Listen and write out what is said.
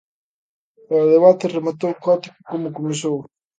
E o debate rematou caótico como comezou.